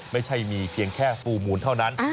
ไม่ใช่มีเพียงแค่ฟูลมูลเท่านั้น